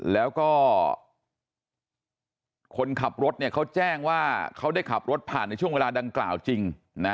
แล้วก็คนขับรถเขาแจ้งว่าเขาได้ขับรถผ่านในช่วงเวลาดังกล่าวจริง